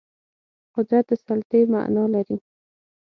قدرت د سلطې معنا لري